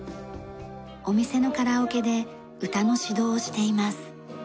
お店のカラオケで歌の指導をしています。